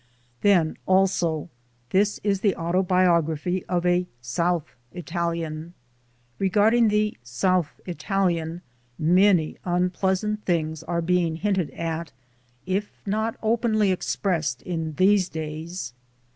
Then also, this is the autobiography of a South Italian. Regarding the South Italian many un pleasant things are being hinted at, if not openly expressed, in these days.